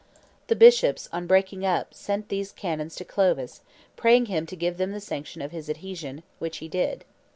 The bishops, on breaking up, sent these canons to Clovis, praying him to give them the sanction of his adhesion, which he did.